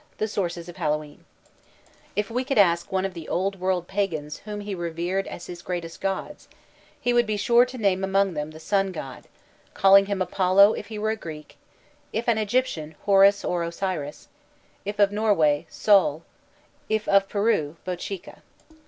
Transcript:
THE SOURCES OF HALLOWE'EN If we could ask one of the old world pagans whom he revered as his greatest gods, he would be sure to name among them the sun god; calling him Apollo if he were a Greek; if an Egyptian, Horus or Osiris; if of Norway, Sol; if of Peru, Bochica.